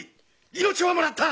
命はもらった！